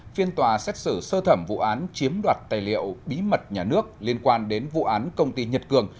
phiên tòa xét xử sơ thẩm vụ án chiếm đoạt tài liệu bí mật nhà nước liên quan đến vụ án công ty nhật cường